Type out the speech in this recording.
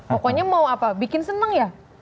pokoknya mau apa bikin senang ya